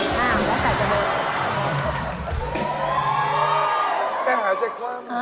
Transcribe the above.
แกหาเจ็บได้มั้ย